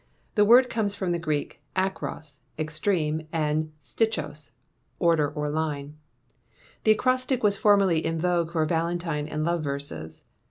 The word comes from the Greek akros, extreme, and stichos, order or line. The acrostic was formerly in vogue for valentine and love verses.